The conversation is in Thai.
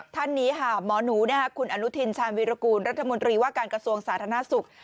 ท่านนี้ค่ะหมอหนูคุณอนุทินชาญวิรากูลรัฐมนตรีว่าการกระทรวงสาธารณสุข